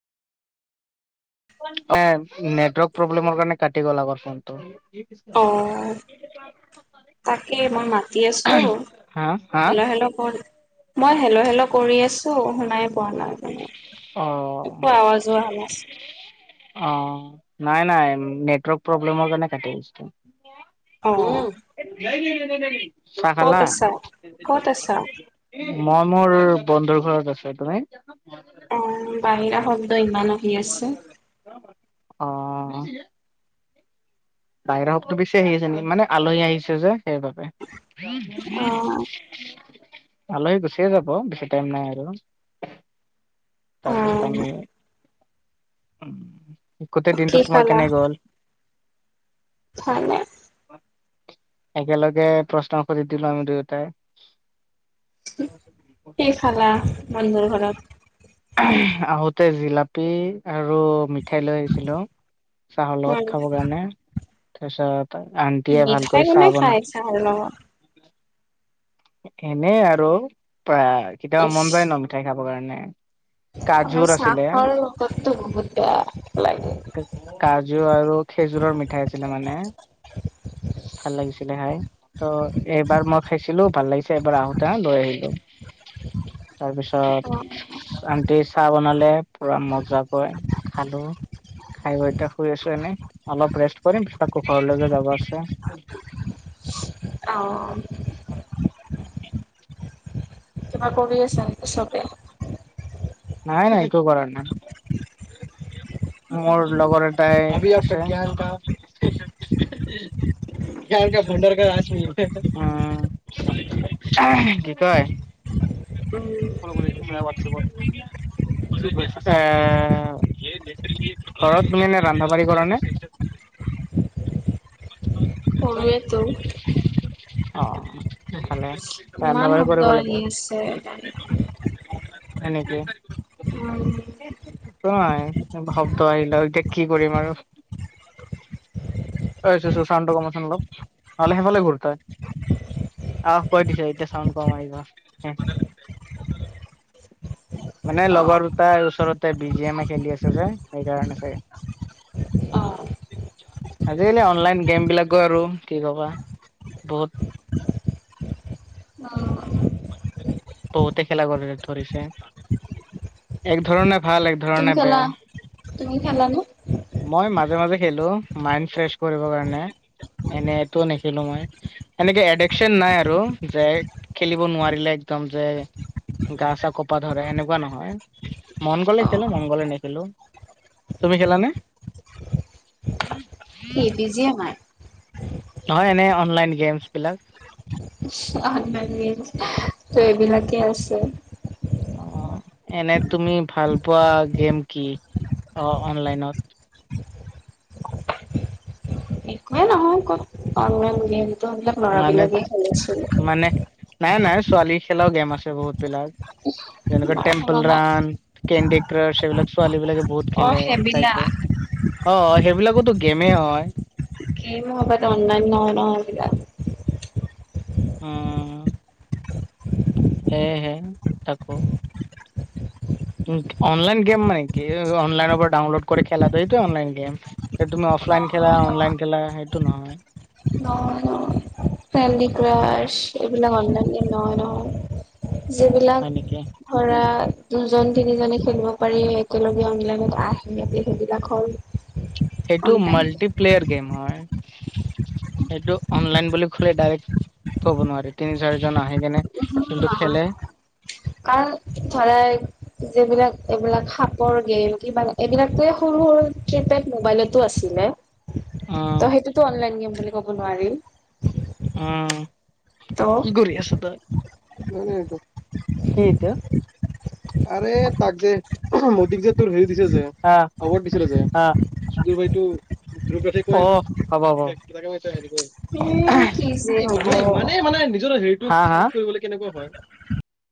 তেন নেটৱৰ্ক প্ৰব্লেমৰ কাৰণে কাটি গ'ল আগৰ ফোনটো ইয়ে কিছকা? অ', [unintelligible] তাকে মই মাতি আছোঁ হা? হা? হেল্ল' হেল্ল' কৰ মই হেল্ল হেল্ল কৰি আছোঁ শুনাই পোৱা নাই। মানে অ', একো আৱাজো অহা নাছ অ নাই নাই নেটৱৰ্ক প্ৰব্লেমৰ কাৰণে কাটি গৈছিলে। অ', উম [unintelligible] চাহ ক'ত খালা? আছা? ক'ত আছা? মই মোৰ বন্ধুৰ ঘৰত আছোঁ। তুমি? অ বাহিৰা শব্দ ইমান আহি আছে। অ অ বাহিৰা শব্দ বেছি আহি আছে নেকি মানে আলহী আহিছে যে সেইবাবে। অ'। [unintelligible] আলহী গুচিয়ে যাব, বেছি টাইম নাই আৰু। তাৰপিছত আমি অ', উম গোটেই কি দিনটো তোমাৰ খালা? কেনে গ'ল? ভালে। একেলগে প্ৰশ্ন সুধি দিলো আমি দুয়োটাই। কি খালা বন্ধুৰ ঘৰত? আহোতে জিলাপি আৰু মিঠ মিঠাই লৈ আহিছিলো চাহৰ উম, লগত খাব কাৰণে, তাৰপিছত তাইৰ আন্টিয়ে মিঠাই ভালকৈ কোনে চাহ বনা [unintelligible] এনেই আৰু পা, কেতিয়াবা ইচ মন যায় ন' মিঠাই খাবৰ কাৰণে। মানে কাজুৰ আছিলে চাহৰ লগততো বহুত বেয়া লাগে। কাজু আৰু খেজুৰৰ মিঠাই আছিলে মানে। ভাল লাগিছিলে খাই, ত' এইবাৰ মই খাইছিলোঁ। ভাল লাগিছে, এইবাৰ আহোতে লৈ আহিলো। তাৰ পিছত- আনটি চাহ বনালে, পুৰা মজা কৈ খালোঁ। খাই বৈ এতিয়া শুই আছো এনেই, অলপ ৰেষ্ট কৰিম, পিছত আকৌ ঘৰলৈকে যাব আছে। অঁ। [unintelligible] কিবা কৰি আছে নেকি চবে? নাই, একো কৰা নাই। মোৰ লগৰ এটাই- [unintelligible] ক ক ভডাৰ ক ৰাজ্ম [unintelligible] কি কয় [unintelligible] ফ'ল' কৰিবি হোৱাটচএপত। এ, ঘৰত তুমি এনে ৰন্ধা বাঢ়ি কৰা নে? হয়। কৰোৱেটো। অঁ, খালে। ইমান শব্দ আহি আছে গাড়ীৰ। হয় নেকি? উম। নাই, শব্দ আহিল আৰু এতিয়া কি কৰিম আৰু! অই চুচু চাউণ্ডটো কমাচোন অলপ, নহ'লে সিফালে ঘূৰ তই। আহ কৰি দিছে, এতিয়া চাউণ্ড কম আহিব। মানে অ', লগৰ দুটাই ওচৰতে বি জি এম ই খেলি আছে যে, সেইকাৰণে চাগে। অ', আজিকালি অনলাইন গেম বিলাকো আৰু কি কবা বহুত- অ', বহুতে খেলা কৰে, ধৰিছে। এক ধৰণে- ভাল এক তুমি ধৰণে খেলা, বেয়া তুমি খেলা নে? মই মাজে মাজে খেলো, মাইণ্ড ফ্ৰেছ কৰিবৰ কাৰণে, এনেটো নেখেলো মই। সেনেকে এডিকচন নাই আৰু যে খেলিব নোৱাৰিলে একদম যে- গা- চা কপা ধৰে, এনেকুৱা নহয়। মন গ'লে অ', খেলো, মন গ'লে নেখেলো। তুমি খেলা নে? কি বিজিয়েমাই? নহয় এনে অনলাইন গেমছ বিলাক। অনলাইন গেমছ ত' এইবিলাকে আছে। অঁ, এনে তুমি ভাল পোৱা গেম কি অ- অনলাইনত? এ নহয় ক'ত অনলাইন গেম- চেম বিলাক ল'ৰা মানে বিলাকে খেলিছিল। মানে নাই, নাই ছোৱালী খেলাও গেম আছে বহুত বিলাক। যেনেকে মই টেম্পল খেলা নাই। ৰান- কেণ্ডি ক্ৰাছ সেইবিলাক ছোৱালী বিলাকে বহুত অ', খেলে, সেইবিলাক চাইছোঁ। অঁ, অঁ, সেইবিলাকোতো গেমে হয়। কিনো হ'ব অনলাইন নহয়- নহয় সেইবিলাক। উম। হে, হে তাকো। অনলাইন গেম মানে কি অনলাইনৰ পৰা ডাউনলোড কৰি খেলাটো এইটোৱে অনলাইন গেম। এ তুমি অফলাইন নহয় খেলা অনলাইন খেলা, সেইটো নহয়। অহ' কেণ্ডি ক্ৰাচ এই বিলাক অনলাইন গেম নহয় নহয় যিবিলাক হয় নেকি? ধৰা, দুজন তিনিজনে খেলিব পাৰি, একেলগে অনলাইনত আহে, সেইবিলাক হ'ল। [inaudible] সেইটো অনলাইন গেম মাল্টিপ্লেয়াৰ গেম হয়। সেইটো অনলাইন বুলি ক'লে ডাইৰেক্ট থব নোৱাৰি তিনি চাৰিজন আহি কেনে কিন্তু নহয় খেলে [inaudible] যিবিলাক এইবিলাক সাপৰ গেম কিবা এইবিলাকে সৰু সৰু ট্ৰিপেড মোবাইলত তো আছিলে উম, ত সেইটোতো অনলাইন গেম বুলি ক'ব নোৱাৰি উম কি ত' কৰি আছ তই কি এতিয়া আৰে তাক যে, মোদীক যে তোৰ হেৰি দিছে যে এৱৰ্ড দিছিলে যে। সুদূৰ ভাই টো অ হব হব এ কি যে [unintelligible] মানুহে ইমানেই হ'ব মানে নিজৰ হেৰিতো ঠিক কৰিবলৈ কেনেকুৱা হয়